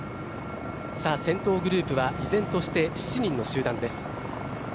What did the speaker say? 先頭グループは依然として７人の集団です。